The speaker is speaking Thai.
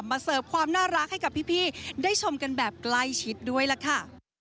เสิร์ฟความน่ารักให้กับพี่ได้ชมกันแบบใกล้ชิดด้วยล่ะค่ะ